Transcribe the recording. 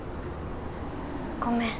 ごめん。